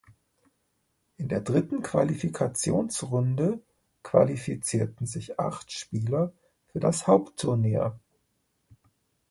In der dritten Qualifikationsrunde qualifizierten sich acht Spieler für das Hauptturnier.